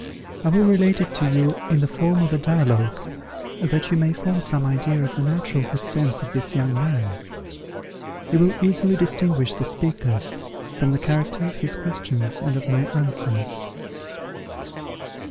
I will relate it to you in the form of a dialogue, that you may form some idea of the natural good sense of this young man. You will easily distinguish the speakers, from the character of his questions and of my answers.